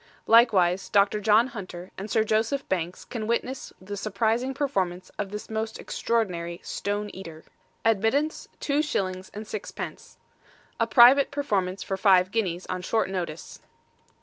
Likewise Dr. John Hunter and Sir Joseph Banks can witness the Surprising Performance of this most Extraordinary STONE EATER. Admittance, Two shillings and Six pence. A Private Performance for five guineas on short notice.